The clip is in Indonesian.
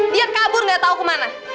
dia kabur nggak tahu kemana